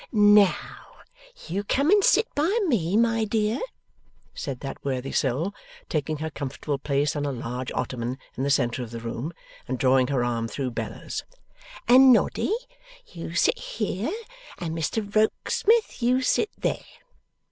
'Now, you come and sit by me, my dear,' said that worthy soul, taking her comfortable place on a large ottoman in the centre of the room, and drawing her arm through Bella's; 'and Noddy, you sit here, and Mr Rokesmith you sit there.